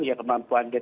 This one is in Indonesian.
ya kemampuan deteksi